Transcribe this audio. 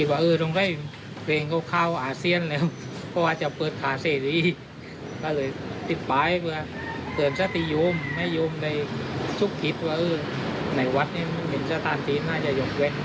อาจจะยกเวทย์